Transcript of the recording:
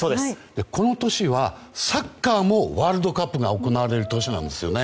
この年はサッカーもワールドカップが行われる年なんですよね。